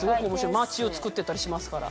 町をつくってったりしますから。